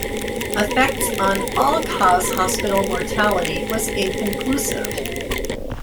Effects on all cause hospital mortality was inconclusive.